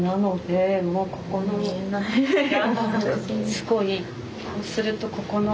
すごいこうするとここの。